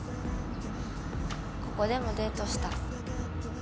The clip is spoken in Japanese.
ここでもデートした。